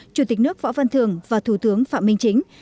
chủ tịch nước võ văn thường và thủ tướng phạm minh chính